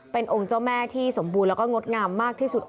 เป็นองค์เจ้าแม่ที่สมบูรณ์แล้วก็งดงามมากที่สุด